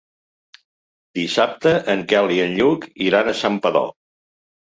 Dissabte en Quel i en Lluc iran a Santpedor.